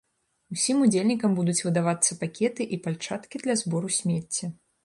Усім удзельнікам будуць выдавацца пакеты і пальчаткі для збору смецця.